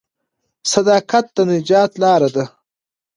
صداقت د نجات لار ده.